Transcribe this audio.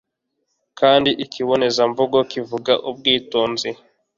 Kandi ikibonezamvugo kivuga ubwitonzi